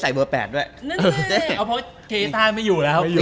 มีมันไหลเลย